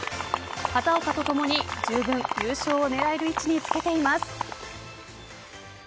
畑岡とともに、じゅうぶん優勝を狙える位置につけています。